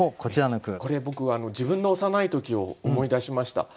これ僕自分の幼い時を思い出しました。